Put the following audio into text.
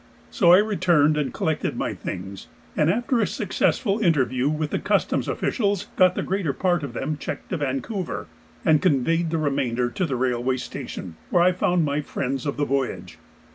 So I returned and collected my things, and after a successful interview with the Customs officials got the greater part of them checked to Vancouver, and conveyed the remainder to the railway station, where I found my friends of the voyage.